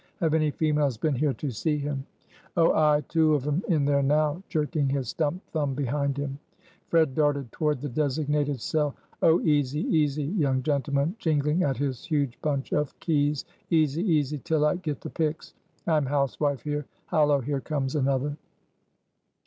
Have any females been here to see him?" "Oh, ay, two of 'em in there now;" jerking his stumped thumb behind him. Fred darted toward the designated cell. "Oh, easy, easy, young gentleman" jingling at his huge bunch of keys "easy, easy, till I get the picks I'm housewife here. Hallo, here comes another."